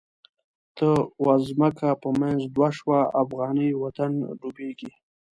ته واځمکه په منځ دوه شوه، افغانی وطن ډوبیږی